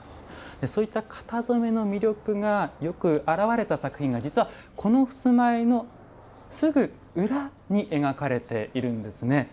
そういった型染めの魅力がよく表れた作品が実はこの襖絵のすぐ裏に描かれているんですね。